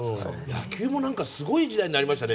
野球もすごい時代になりましたね。